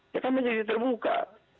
ya kan menjadi terbuka